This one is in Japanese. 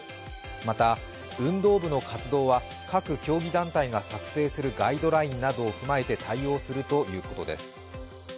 また運動部の活動は各競技団体が作成するガイドラインなどを踏まえて対応するということです。